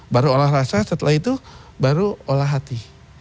baru olah rasa setelah itu baru olah hati